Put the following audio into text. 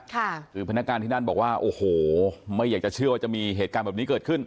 คือพนักงานที่นั่นบอกว่าโอ้โหไม่อยากจะเชื่อว่าจะมีเหตุการณ์แบบนี้เกิดขึ้น